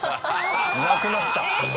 なくなった。